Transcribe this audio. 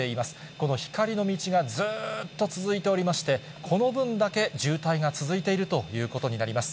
この光の道がずーっと続いておりまして、この分だけ渋滞が続いているということになります。